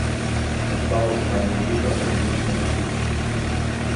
Настав останній рік академічного курсу.